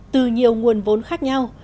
từ nhiều nguồn vốn khác nhau